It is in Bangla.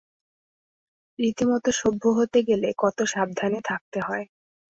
রীতিমত সভ্য হতে গেলে কত সাবধানে থাকতে হয়।